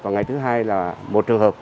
và ngày thứ hai là một trường hợp